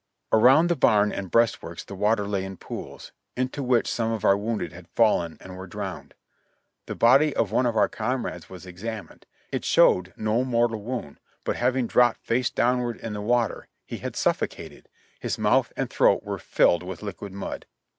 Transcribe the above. Around the barn and breastworks the water lay in pools, into which some of our wounded had fallen and were drowned. The body of one of our comrades was examined ; it showed no mortal wound, but having dropped face downward in the water, he had suffocated — his mouth and throat were filled with liquid mud.